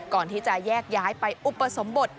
ก่อนที่จะแยกย้ายไปอุปสมบท